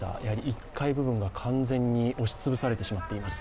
１階部分が完全に押し潰されてしまっています。